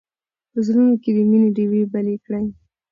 په زړونو کې د مینې ډېوې بلې کړئ.